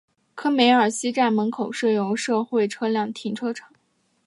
科梅尔西站门口设有社会车辆停车场。